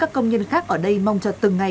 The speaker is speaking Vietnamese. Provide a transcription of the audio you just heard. các công nhân khác ở đây mong cho từng ngày